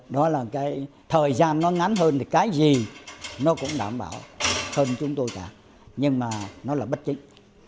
đó là cái thời gian nó ngắn hơn thì cái gì nó cũng đảm bảo hơn chúng tôi cả nhưng mà nó là bất chính